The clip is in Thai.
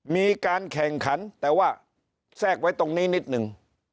มีการแข่งขันแต่ว่าแทรกไว้ตรงนี้นิดนึง